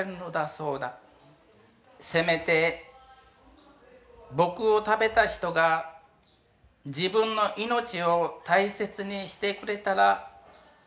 「せめて僕を食べた人が自分の命を大切にしてくれたらいいな」